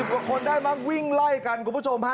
กว่าคนได้มั้งวิ่งไล่กันคุณผู้ชมฮะ